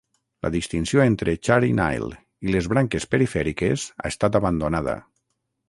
La distinció entre Chari-Nile i les branques perifèriques ha estat abandonada.